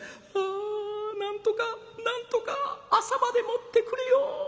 「ああなんとかなんとか朝までもってくれよ」。